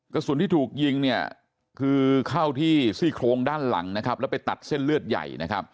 กระสุนที่ถูกยิงคือเข้าที่ซี่โครงด้านหลังแล้วไปตัดเส้นเลือดใหญ่